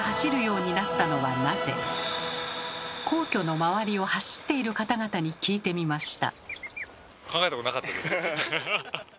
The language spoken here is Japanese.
皇居の周りを走っている方々に聞いてみました。